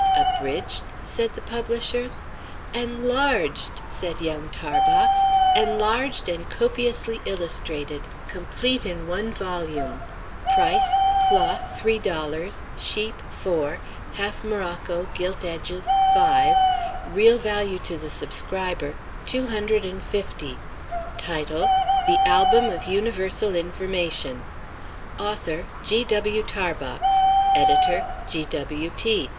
'Abridged?' said the publishers. 'Enlarged!' said young Tarbox, 'enlarged and copiously illustrated, complete in one volume, price, cloth, three dollars, sheep four, half morocco, gilt edges, five; real value to the subscriber, two hundred and fifty; title, "The Album of Universal Information; author, G. W. Tarbox; editor, G. W. T.